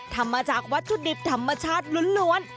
ทำมาจากวัตถุดิบธรรมชาติล้วน